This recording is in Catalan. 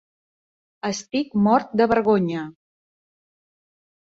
Estic mort de vergonya.